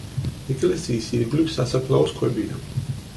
ეკლესიის ირგვლივ სასაფლაოს ქვებია.